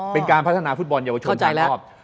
เป็นการพัฒนาฟุตบอลเยาวชนชายรอบ